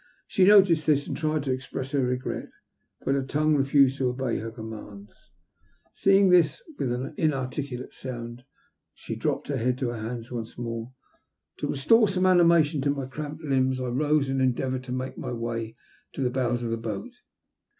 She noticed this, and tried to express her regret, but her tongue refused to obey her commands. Seeing this, with an inarticulate sound she dropped her head on to her hands once more. To restore some animation into my cramped limbs, I rose and endeavoured to make my way to the WB AEB SAVED. 107 bows of the boat.